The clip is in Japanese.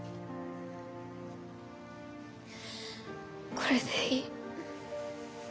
これでいい。